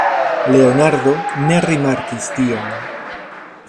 Leonardo ne rimarkis tion.